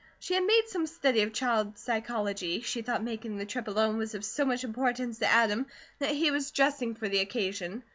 She had made some study of child psychology, she thought making the trip alone was of so much importance to Adam that he was dressing for the occasion.